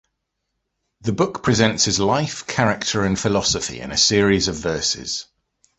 The book presents his life, character, and philosophy, in a series of verses.